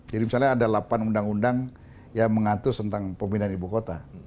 jadi misalnya ada delapan undang undang yang mengatur tentang pembinaan ibu kota